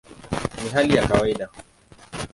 Ni hali ya kawaida".